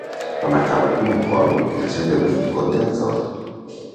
Va marcar un gol en el seu debut contra Thor.